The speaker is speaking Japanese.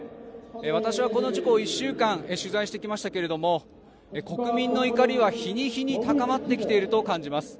私はこの事故を１週間取材してきましたけれども国民の怒りは日に日に高まってきていると感じます。